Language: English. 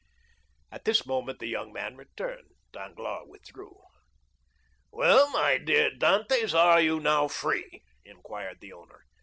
At this moment the young man returned; Danglars withdrew. "Well, my dear Dantès, are you now free?" inquired the owner.